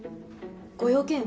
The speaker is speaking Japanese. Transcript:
ご用件は？